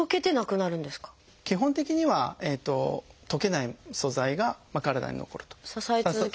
基本的には溶けない素材が体に残ると。